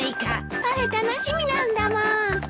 パフェ楽しみなんだもん。